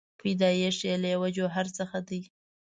پیدایښت یې له یوه جوهر څخه دی.